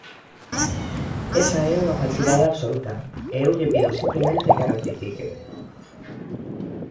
Esa é unha falsidade absoluta, e eu lle pido simplemente que a rectifique.